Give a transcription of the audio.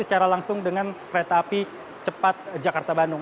secara langsung dengan kereta api cepat jakarta bandung